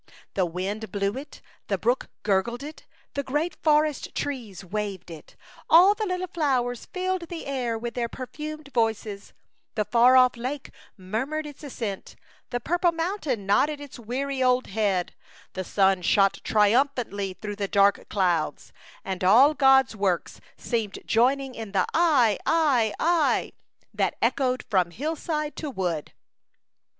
The wind blew it, the A Chautauqua Idyl. 27 brook gurgled it, the great forest trees waved it, all the little flowers filled the air with their perfumed voices, the far off lake murmured its assent, the purple mountain nodded its weary old head, the sun shot triumphantly through the dark clouds, and all God's works seemed joining in the " aye aye, aye,'* that echoed from hillside to wood.